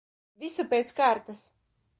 Visu pēc kārtas.